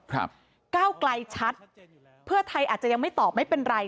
ก้าวไกลชัดเพื่อไทยอาจจะยังไม่ตอบไม่เป็นไร